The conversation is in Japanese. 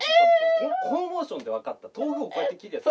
このモーションで分かった豆腐をこうやって切るやつ？